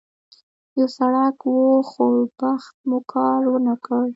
یو سړک و، خو بخت مو کار ونه کړ.